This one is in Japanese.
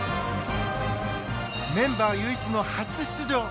メンバー唯一の初出場